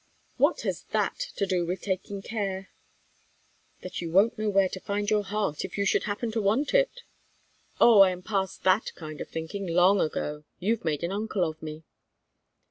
"What has that to do with taking care?" "That you won't know where to find your heart if you should happen to want it." "Oh! I am past that kind of thing long ago. You've made an uncle of me."